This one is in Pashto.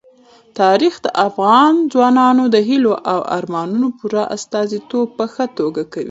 تاریخ د افغان ځوانانو د هیلو او ارمانونو پوره استازیتوب په ښه توګه کوي.